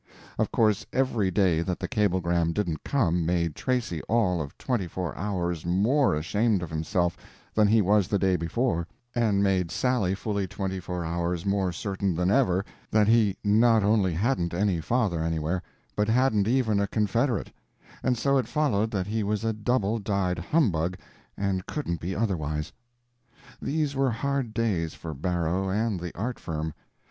Of course every day that the cablegram didn't come made Tracy all of twenty four hours' more ashamed of himself than he was the day before, and made Sally fully twenty four hours more certain than ever that he not only hadn't any father anywhere, but hadn't even a confederate—and so it followed that he was a double dyed humbug and couldn't be otherwise. These were hard days for Barrow and the art firm.